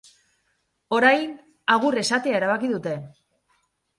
Orain, agur esatea erabaki dute.